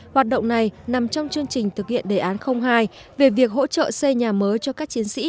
hoạt động này nằm trong chương trình thực hiện đề án hai về việc hỗ trợ xây nhà mới cho các chiến sĩ